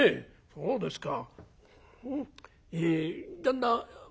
そうですか。